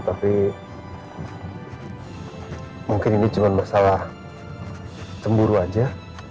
tapi mungkin ini cuma masalah cemburu aja